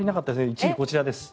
１位、こちらです。